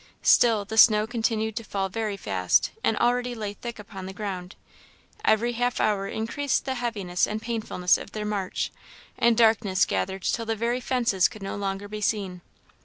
Still the snow continued to fall very fast, and already lay thick upon the ground; every half hour increased the heaviness and painfulness of their march; and darkness gathered till the very fences could no longer be seen.